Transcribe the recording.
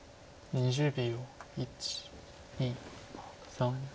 ２０秒。